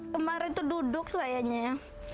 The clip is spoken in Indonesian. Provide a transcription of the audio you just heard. kemarin tuh duduk sayangnya